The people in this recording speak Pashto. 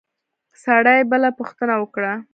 سړي بله پوښتنه وکړه.